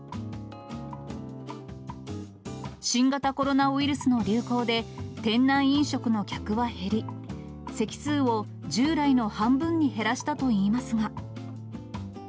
新型コロナウイルスの流行で、店内飲食の客は減り、席数を従来の半分に減らしたといいますが。